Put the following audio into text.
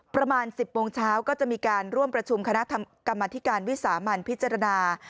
ประมาณ๑๐โมงเช้าก็จะมีการร่วมประชุมคณะกรรมธิการวิสามันพิจารณา